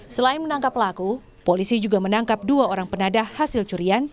selain menangkap pelaku polisi juga menangkap dua orang penadah hasil curian